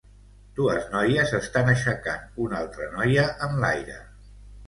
Dues noies estan aixecant una altra noia en l'aire